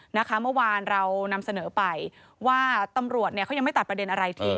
เมื่อวานเรานำเสนอไปว่าตำรวจเนี่ยเขายังไม่ตัดประเด็นอะไรทิ้ง